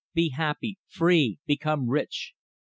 . be happy, free, become rich.